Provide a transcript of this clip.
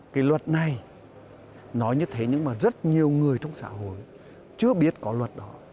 cái luật này nói như thế nhưng mà rất nhiều người trong xã hội chưa biết có luật đó